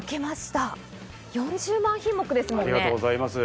４０万品目ですもんね。